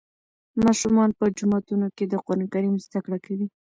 ماشومان په جوماتونو کې د قرآن کریم زده کړه کوي.